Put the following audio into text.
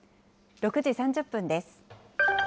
６時３０分です。